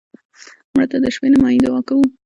مړه ته د شپه نیمایي دعا کوو